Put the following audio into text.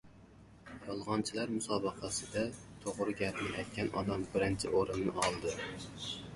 — Yolg‘onchilar musobaqasida to‘g‘ri gapni aytgan odam birinchi o‘rinni oldi.